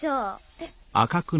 えっ。